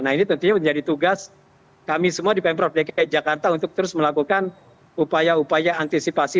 nah ini tentunya menjadi tugas kami semua di pemprov dki jakarta untuk terus melakukan upaya upaya antisipasi